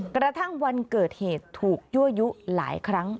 กระทั่งวันเกิดเหตุถูกยั่วยุหลายครั้ง